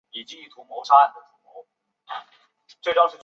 他是德国社会民主党的党员。